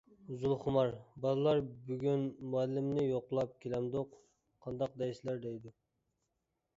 زۇلخۇمار:-بالىلار بۈگۈن مۇئەللىمنى يوقلاپ كېلەمدۇق، قانداق دەيسىلەر دەيدۇ.